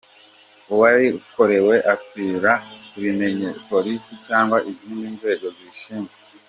Uwarikorewe akwiriye kubimenyesha Polisi cyangwa izindi nzego zibishinzwe.